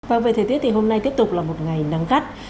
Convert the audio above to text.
vâng về thời tiết thì hôm nay tiếp tục là một ngày nắng gắt